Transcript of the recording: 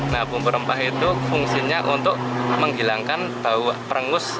nah bumbu rempah itu fungsinya untuk menghilangkan bau perengus